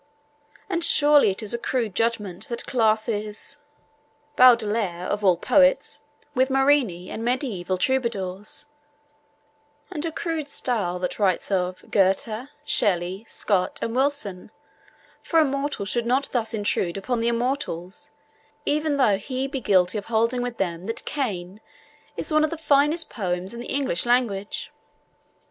And surely it is a crude judgment that classes Baudelaire, of all poets, with Marini and mediaeval troubadours, and a crude style that writes of 'Goethe, Shelley, Scott, and Wilson,' for a mortal should not thus intrude upon the immortals, even though he be guilty of holding with them that Cain is 'one of the finest poems in the English language.'